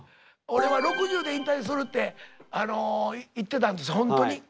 俺は６０で引退するって言ってたんですホントに。